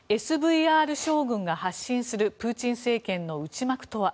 ＳＶＲ将軍が発信するプーチン政権の内幕とは。